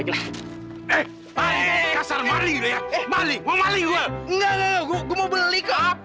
gue mau beli